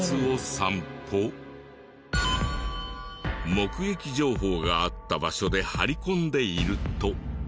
目撃情報があった場所で張り込んでいると。